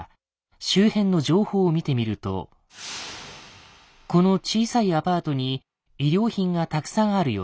周辺の情報を見てみるとこの小さいアパートに医療品がたくさんあるようだ。